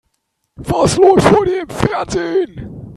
Was läuft heute im Fernsehen?